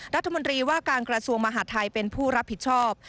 รัฐมนตรีว่าการกระทรวงมหาดไทยเป็นผู้รับผิดชอบ